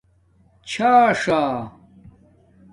چھاݽݳ